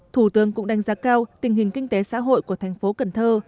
thủ tướng cũng đánh giá cao tình hình kinh tế xã hội của thành phố cần thơ